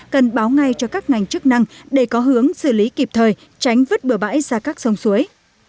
cần báo ngay cho các ngành chức năng để có hướng xử lý kịp thời tránh vứt bừa bãi ra các sông suối